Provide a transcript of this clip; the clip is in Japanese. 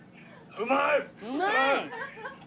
うまい？